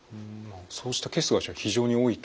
そうしたケースがじゃあ非常に多いと。